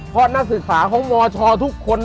เพราะนักศึกษาของมชทุกคน